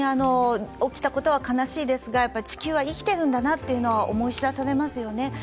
起きたことは悲しいですが地球は生きているんだなと思い知らされますよね。